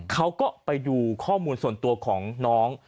เขาก็ไปดูข้อมูลส่วนตัวของน้อง